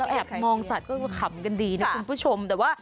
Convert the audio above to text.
แอบมองสัตว์ก็ขำกันดีนะคุณผู้ชมแต่ว่า